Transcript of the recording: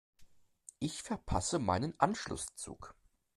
Ich verpasse meinen Anschlusszug.